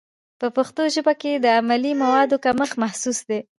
په پښتو ژبه کې د علمي موادو کمښت محسوس دی.